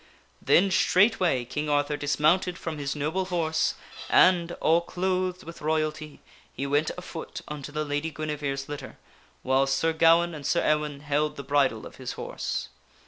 Then straightway King Arthur dismounted from his noble horse and, all clothed with royalty, he went afoot unto the Lady Guinevere's litter, whiles Sir Gawaine and Sir Ewaine held the bridle of his K .. horse.